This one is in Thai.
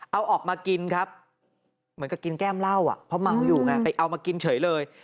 เอาออกมากินครับเหมือนกับกินแก้มเหล้าอ่ะเพราะเมาอยู่ไงไปเอามากินเฉยเลย